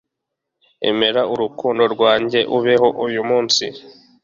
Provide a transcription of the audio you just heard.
emera urukundo rwanjye, ubeho uyu munsi